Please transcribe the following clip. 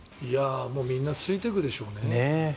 みんなついていくでしょうね。